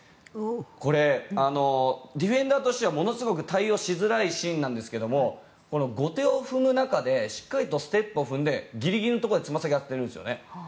これ、ディフェンダーとしてはものすごく対応しづらいシーンなんですが後手を踏む中でしっかりとステップを踏んでギリギリのところでつま先に当てているんですよね。